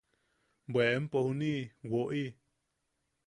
–¡Bwe empo juniʼi woʼi!